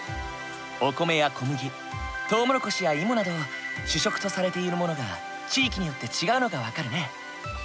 お米や小麦トウモロコシや芋など主食とされているものが地域によって違うのが分かるね。